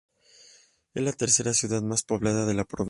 Es la tercera ciudad más poblada de la provincia.